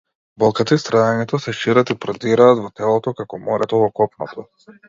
Болката и страдањето се шират и продираат во телото, како морето во копното.